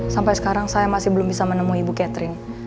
sampai sekarang saya masih belum bisa menemui bu catherine